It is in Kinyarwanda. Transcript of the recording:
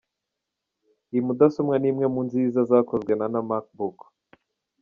Iyi mudasobwa ni imwe mu nziza zakozwe na na MacBook.